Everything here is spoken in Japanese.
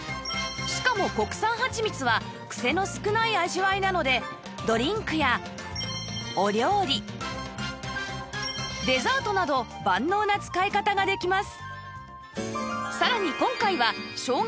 しかも国産はちみつはクセの少ない味わいなのでドリンクやお料理デザートなど万能な使い方ができます